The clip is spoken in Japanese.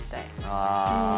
ああ。